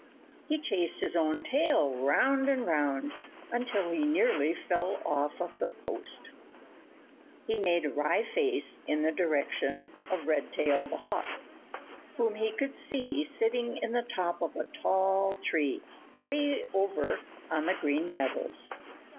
He chased his own tail round and round until he nearly fell off of the post. He made a wry face in the direction of Redtail the Hawk, whom he could see sitting in the top of a tall tree way over on the Green Meadows.